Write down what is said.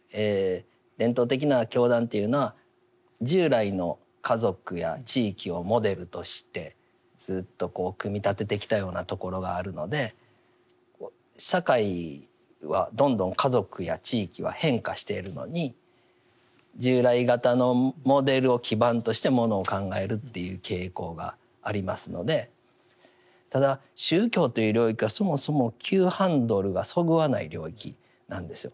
伝統的な教団というのは従来の家族や地域をモデルとしてずっと組み立ててきたようなところがあるので社会はどんどん家族や地域は変化しているのに従来型のモデルを基盤としてものを考えるという傾向がありますのでただ宗教という領域はそもそも急ハンドルがそぐわない領域なんですよ。